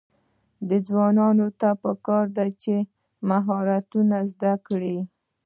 ځوانانو ته پکار ده چې، مهارتونه زده کړي.